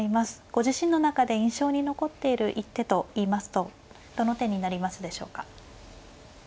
ご自身の中で印象に残っている一手といいますとどの手になりますでしょうか。